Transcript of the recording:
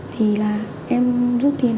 thì là em rút tiền